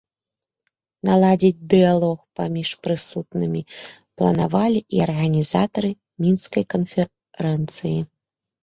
Наладзіць дыялог паміж прысутнымі планавалі і арганізатары мінскай канферэнцыі.